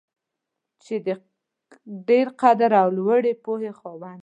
چې د ډېر قدر او لوړې پوهې خاوند دی.